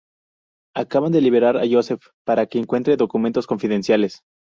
Acaban de liberar a Youssef para que encuentre documentos confidenciales.